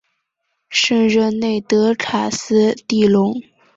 圣热内德卡斯蒂隆。